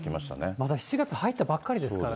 まだ７月入ったばかりですからね。